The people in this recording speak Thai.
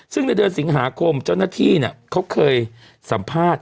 ซึ่งในเดือนสิงหาคมเจ้าหน้าที่เขาเคยสัมภาษณ์